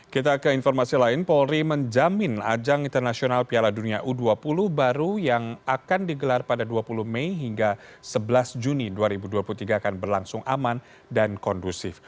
kita ke informasi lain polri menjamin ajang internasional piala dunia u dua puluh baru yang akan digelar pada dua puluh mei hingga sebelas juni dua ribu dua puluh tiga akan berlangsung aman dan kondusif